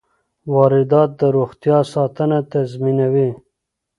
واردات د روغتیا ساتنه تضمینوي.